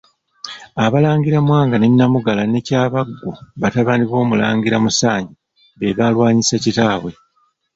Abalangira Mwanga ne Namugala ne Kyabaggu batabani b'Omulangira Musanje be baalwanyisa kitaabwe.